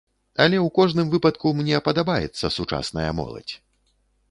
Але ў кожным выпадку, мне падабаецца сучасная моладзь.